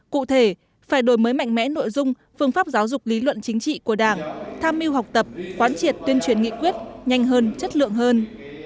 cụ thể phải đổi mới mạnh mẽ nội dung phương pháp giáo dục lý luận chính trị của đảng tham mưu học tập quán triệt tuyên truyền nghị quyết nhanh hơn chất lượng hơn